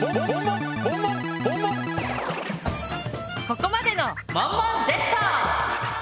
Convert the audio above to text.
ここまでの「モンモンＺ」！